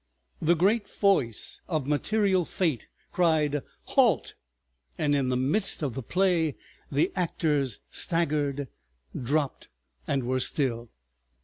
... The great voice of material Fate cried Halt! And in the midst of the play the actors staggered, dropped, and were still.